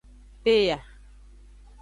Peya.